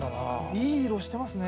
いい色してますね。